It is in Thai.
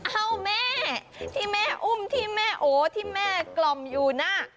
เอ้าแม่ที่แม่อุ้มที่แม่โอที่แม่กล่อมอยู่น่ะ